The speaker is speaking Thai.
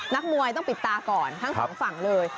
นักมวยต้องปิดตาก่อนทั้งสองฝั่งเลย